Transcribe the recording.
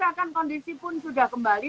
akan kondisi pun sudah kembali